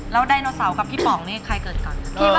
แล้วไดโนเสาร์กับพี่ป๋องนี่ใครเกิดก่อน